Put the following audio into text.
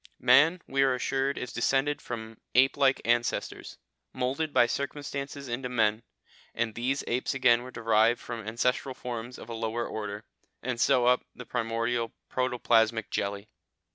Man, we are assured, is descended from ape like ancestors, moulded by circumstances into men, and these apes again were derived from ancestral forms of a lower order, and so up from the primordial protoplasmic jelly.